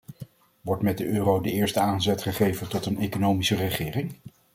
Wordt met de euro de eerste aanzet gegeven tot een economische regering?